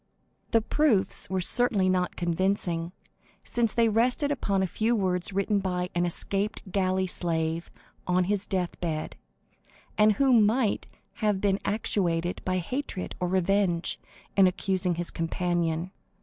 The proofs were certainly not convincing, since they rested upon a few words written by an escaped galley slave on his death bed, and who might have been actuated by hatred or revenge in accusing his companion.